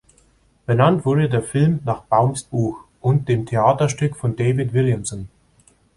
Benannt wurde der Film nach Baums Buch und dem Theaterstück von David Williamson.